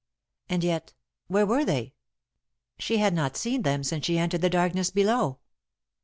And yet, where were they? She had not seen them since she entered the darkness below.